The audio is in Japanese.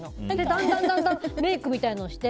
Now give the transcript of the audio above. だんだんメイクみたいなのして。